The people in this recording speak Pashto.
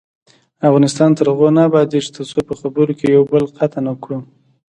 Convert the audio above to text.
افغانستان تر هغو نه ابادیږي، ترڅو په خبرو کې یو بل قطع نکړو.